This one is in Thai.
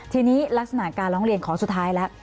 ทีนี้ลักษณะการร้องเรียนขอสุดท้ายแล้ว